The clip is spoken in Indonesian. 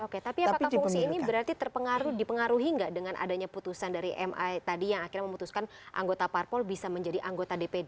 oke tapi apakah fungsi ini berarti dipengaruhi nggak dengan adanya putusan dari ma tadi yang akhirnya memutuskan anggota parpol bisa menjadi anggota dpd